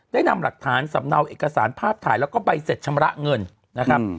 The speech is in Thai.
ได้นำหลักฐานสำเนาเอกสารภาพถ่ายแล้วก็ใบเสร็จชำระเงินนะครับ